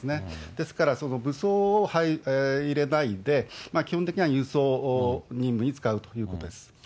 ですから武装を入れないで、基本的には輸送任務に使うということです。